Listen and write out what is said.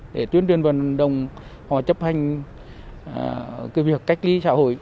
để tuyên truyền vận động họ chấp hành việc cách ly xã hội